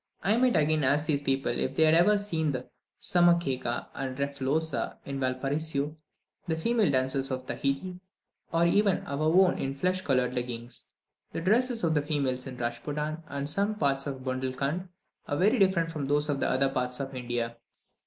I might again ask these people if they had ever seen the Sammaquecca and Refolosa in Valparaiso, the female dancers of Tahiti, or even our own in flesh coloured leggings? The dresses of the females in Rajpootan and some parts of Bundelkund are very different from those of other parts of India.